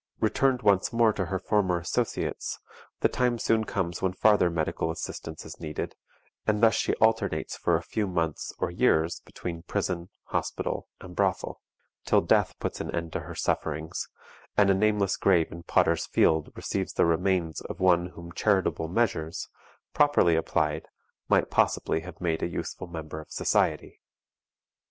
Returned once more to her former associates, the time soon comes when farther medical assistance is needed, and thus she alternates for a few months or years between prison, hospital, and brothel, till death puts an end to her sufferings, and a nameless grave in Potters' Field receives the remains of one whom charitable measures, properly applied, might possibly have made a useful member of society.